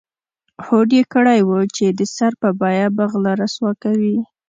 هوډ یې کړی و چې د سر په بیه به غله رسوا کوي.